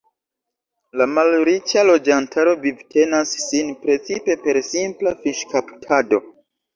La malriĉa loĝantaro vivtenas sin precipe per simpla fiŝkaptado.